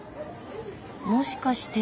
もしかして。